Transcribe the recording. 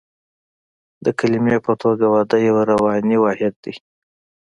د کلمې په توګه واده یو رواني واحد دی